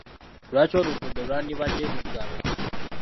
Lwaki oluguudo lwandibadde luggalwa?